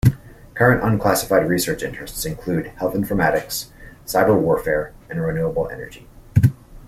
Current unclassified research interests include health informatics, cyberwarfare, and renewable energy.